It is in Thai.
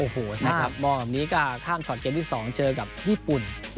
มองแบบนี้ก็ข้ามชอตเกมที่๒เจอกับญี่ปุ่น